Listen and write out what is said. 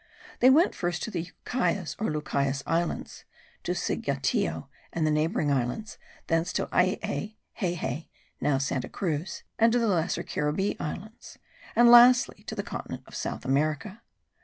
They went first to the Yucayas or Lucayes Islands (to Cigateo and the neighbouring islands); thence to Ayay (Hayhay, now Santa Cruz), and to the lesser Caribbee Islands; and lastly to the continent of South America.